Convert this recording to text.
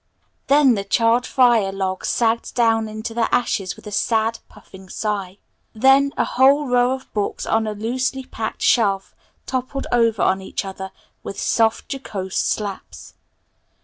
Then the charred fire log sagged down into the ashes with a sad, puffing sigh. Then a whole row of books on a loosely packed shelf toppled over on each other with soft jocose slaps.